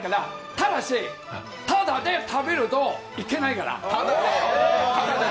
ただし、タダで食べるといけないから。